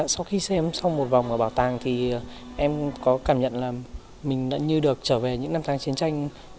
sau khi xem trong một vòng ở bảo tàng thì em có cảm nhận là mình đã như được trở về những năm tháng chiến tranh